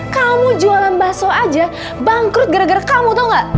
kamu jualan bakso aja bangkrut gara gara kamu tuh gak